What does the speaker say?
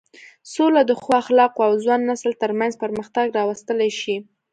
سوله د ښو اخلاقو او ځوان نسل تر منځ پرمختګ راوستلی شي.